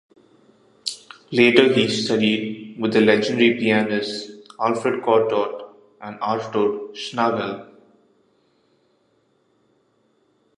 Later he studied with the legendary pianists Alfred Cortot and Artur Schnabel.